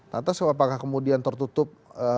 tentu apakah kemudian tertutup